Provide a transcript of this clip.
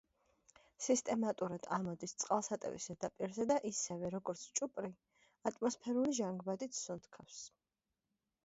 სისტემატურად ამოდის წყალსატევის ზედაპირზე და ისევე, როგორც ჭუპრი, ატმოსფერული ჟანგბადით სუნთქავს.